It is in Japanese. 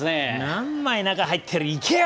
何枚、中、入ってるいけよ！